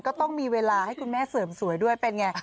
ก็ต้องมีเวลาให้คุณแม่เสริมสวยด้วยเป็นไง